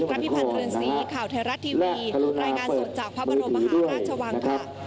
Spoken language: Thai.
รับพี่พันธุ์เริ่มซีข่าวไทยรัฐทีวีรายงานส่วนจากพระบรมมหาราชวัง